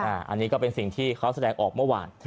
อันนี้ก็เป็นสิ่งที่เขาแสดงออกเมื่อวาน